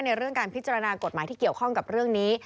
เรื่องการพิจารณากฎหมายที่เกี่ยวข้องกับเรื่องนี้